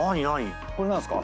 これ何すか？